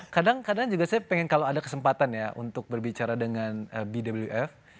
kadang kadang juga saya pengen kalau ada kesempatan ya untuk berbicara dengan bwf